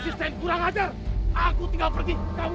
sudah lama aku tidak makan tombol